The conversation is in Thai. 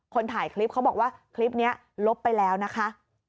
คนถ่ายคลิปเขาบอกว่าคลิปนี้ลบไปแล้วนะคะ